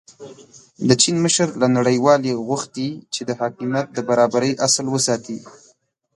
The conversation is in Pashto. د چین مشر له نړیوالې غوښتي چې د حاکمیت د برابرۍ اصل وساتي.